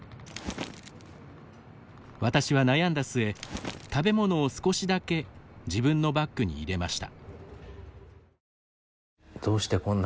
私は悩んだ末食べ物を少しだけ自分のバッグに入れました。